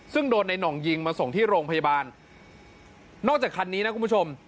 ซึ่งโดนในหน่องยิงมาส่งที่โรงพยาบาลนอกจากคันนี้นะคุณผู้ชม